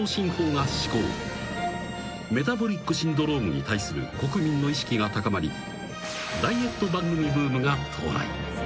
［メタボリックシンドロームに対する国民の意識が高まりダイエット番組ブームが到来］